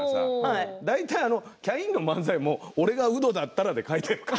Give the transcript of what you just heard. だって、キャインの漫才も俺がウドだったらっていうので書いてるから。